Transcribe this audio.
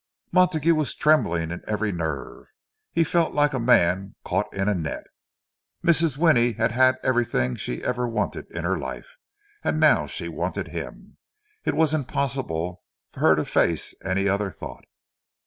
Montague was trembling in every nerve; he felt like a man caught in a net. Mrs. Winnie had had everything she ever wanted in her life; and now she wanted him! It was impossible for her to face any other thought.